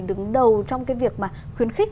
đứng đầu trong cái việc mà khuyến khích